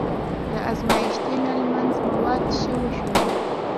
د ازمایښتي نل منځ مواد ښه وښوروئ.